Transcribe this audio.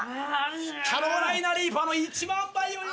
キャロライナ・リーパーの１万倍。